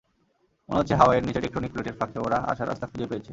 মনে হচ্ছে, হাওয়াইয়ের নিচে টেকটোনিক প্লেটের ফাঁকে ওরা আসার রাস্তা খুঁজে পেয়েছে!